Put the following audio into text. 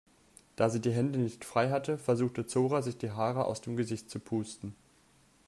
Da sie die Hände nicht frei hatte, versuchte Zora sich die Haare aus dem Gesicht zu pusten.